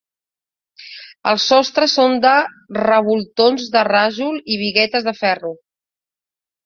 Els sostres són de revoltons de rajol i biguetes de ferro.